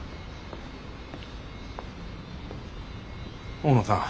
大野さん